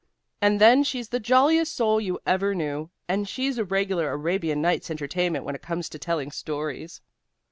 And then she's the jolliest soul you ever knew, and she's a regular Arabian Nights' entertainment when it comes to telling stories."